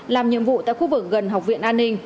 làm nhiệm vụ tại khu vực gần học viện an ninh